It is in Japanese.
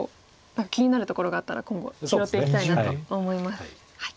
何か気になるところがあったら今後拾っていきたいなと思います。